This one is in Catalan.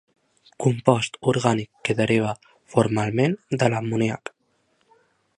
Compost orgànic que deriva formalment de l'amoníac.